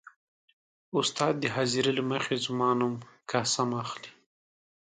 . استاد د حاضرۍ له مخې زما نوم «قاسم» اخلي.